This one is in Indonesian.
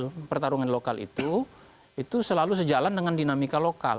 karena pertarungan lokal itu itu selalu sejalan dengan dinamika lokal